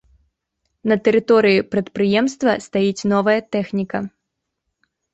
На тэрыторыі прадпрыемства стаіць новая тэхніка.